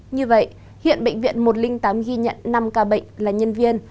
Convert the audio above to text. như vậy hiện bệnh viện một trăm linh tám ghi nhận năm ca bệnh là nhân viên